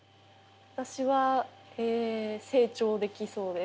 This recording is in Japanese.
私は成長できそうです。